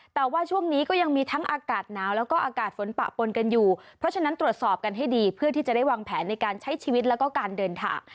แต่ว่าช่วงนี้ก็ยังมีทั้งอากาศหนาวแล้วก็อากาศฝนปะปนกันอยู่เพราะฉะนั้นตรวจสอบกันให้ดีเพื่อที่จะได้วางแผนในการใช้ชีวิตแล้วก็การเดินทาง